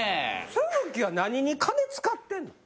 都築は何に金使ってんの？